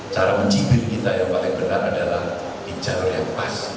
cara mencibit kita yang paling benar adalah di jalur yang pas